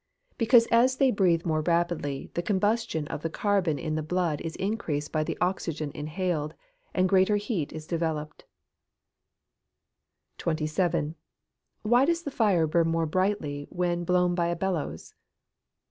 _ Because as they breathe more rapidly, the combustion of the carbon in the blood is increased by the oxygen inhaled, and greater heat is developed. 27. _Why does the fire burn more brightly when blown by a bellows?